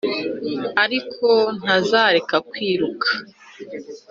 ariko ntazareka kwiruka.